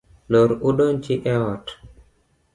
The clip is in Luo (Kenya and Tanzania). Lor u donji e ot.